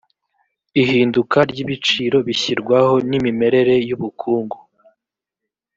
ihinduka ry’ibiciro bishyirwaho n’imimerere y’ubukungu